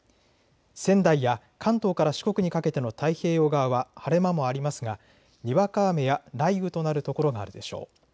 仙台や関東から四国にかけての太平洋側は晴れ間もありますがにわか雨や雷雨となるところがあるでしょう。